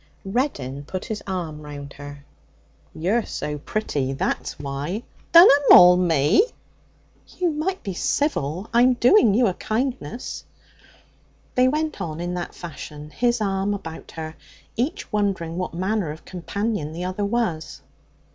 Reddin put his arm round her. 'You're so pretty! That's why.' 'Dunna maul me!' 'You might be civil. I'm doing you a kindness.' They went on in that fashion, his arm about her, each wondering what manner of companion the other was.